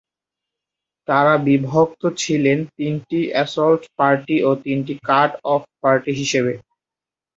তারা বিভক্ত ছিলেন তিনটি অ্যাসল্ট পার্টি ও তিনটি কাট অফ পার্টি হিসেবে।